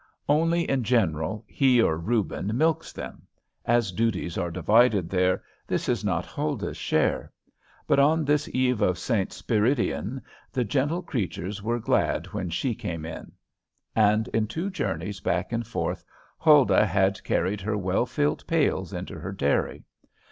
Only, in general, he or Reuben milks them; as duties are divided there, this is not Huldah's share. But on this eve of St. Spiridion the gentle creatures were glad when she came in; and in two journeys back and forth Huldah had carried her well filled pails into her dairy.